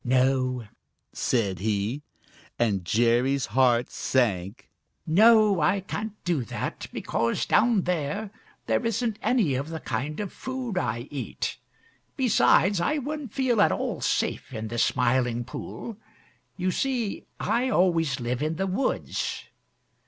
"No," said he, and Jerry's heart sank. "No, I can't do that because down there there isn't any of the kind of food I eat. Besides, I wouldn't feel at all safe in the Smiling Pool. You see, I always live in the woods.